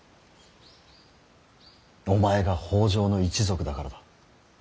お前が北条の一族だからだ。